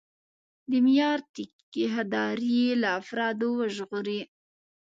د معیار ټیکهداري له افرادو وژغوري.